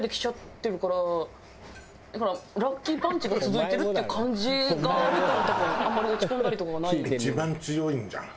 だからラッキーパンチが続いてるっていう感じがあるから多分あんまり落ち込んだりとかがない。